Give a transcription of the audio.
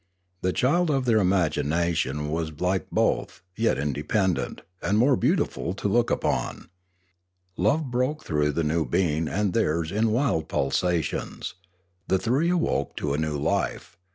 The child of their imagination was like both, yet inde pendent, and more beautiful to look upon. Love broke through the new being and theirs in wild pulsations. The three awoke to a new life.